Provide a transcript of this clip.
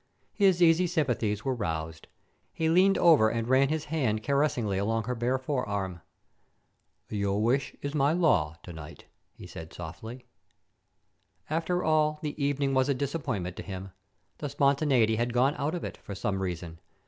His easy sympathies were roused. He leaned over and ran his and caressingly along her bare forearm. "Your wish is my law to night," he said softly. After all, the evening was a disappointment to him. The spontaneity had gone out of it, for some reason.